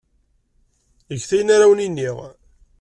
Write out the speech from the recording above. Get ayen ara awen-inin.